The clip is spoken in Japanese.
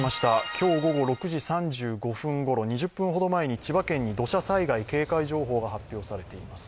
今日午後６時３５分ごろ、２０分ほど前に千葉県に土砂災害警戒情報が発表されています。